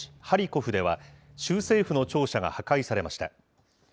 ハリコフでは、州政府の庁舎が破壊されました。